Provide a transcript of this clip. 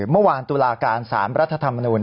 เมื่อวานตุลาการสารรัฐธรรมนุน